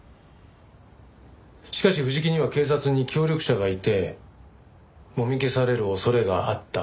しかし藤木には警察に協力者がいてもみ消される恐れがあった。